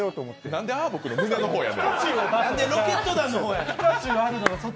なんでアーボックの胸の方やねん。